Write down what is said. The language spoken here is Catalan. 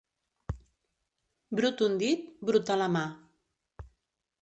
Brut un dit, bruta la mà.